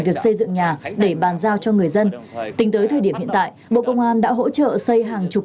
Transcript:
việc xây dựng nhà để bàn giao cho người dân tính tới thời điểm hiện tại bộ công an đã hỗ trợ xây hàng chục